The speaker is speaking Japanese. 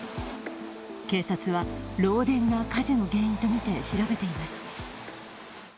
警察は漏電が火事の原因と見て調べています。